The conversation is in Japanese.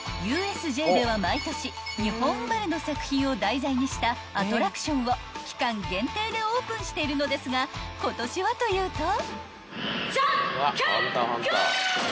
［ＵＳＪでは毎年日本生まれの作品を題材にしたアトラクションを期間限定でオープンしているのですが今年はというと］